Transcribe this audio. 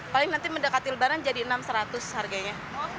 paling nanti mendekati lebaran jadi rp enam ratus harganya